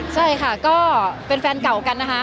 ใช่ค่ะก็เป็นแฟนเก่ากันนะคะ